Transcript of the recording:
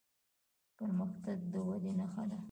پرمختګ د ودې نښه ده.